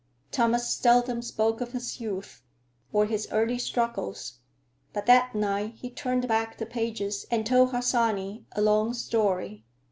Thomas seldom spoke of his youth or his early struggles, but that night he turned back the pages and told Harsanyi a long story.